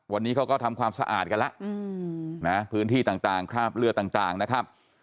วันนี้เขาก็ทำความสะอาดกันแล้วนะพื้นที่ต่างคราบเลือดต่างนะครับ